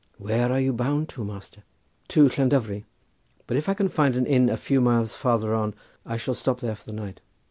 "Where are you bound to, master?" "To Llandovery, but if I can find an inn a few miles farther on I shall stop there for the night."